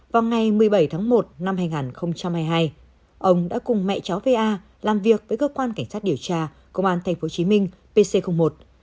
vào ngày một mươi bảy tháng một năm hai nghìn hai mươi hai ông đã cùng mẹ cháu va làm việc với cơ quan cảnh sát điều tra công an tp hcm pc một